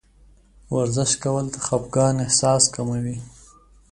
ورزش کول د خفګان احساس کموي.